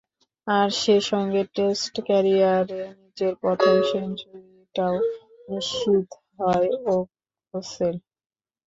আর সে সঙ্গে টেস্ট ক্যারিয়ারে নিজের প্রথম সেঞ্চুরিটাও নিশ্চিত হয় ওকসের।